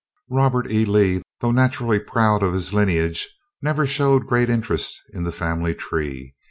Robert E. Lee, though naturally proud of his lineage, never showed great interest in the family tree.